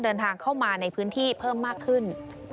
เดินทางเข้ามาในพื้นที่เพิ่มมากขึ้น